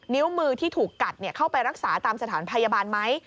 นิ้วมือที่ถูกกัดเข้าไปรักษาตามสถานพยาบาลไหม